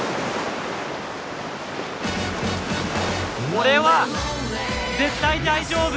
俺は絶対大丈夫。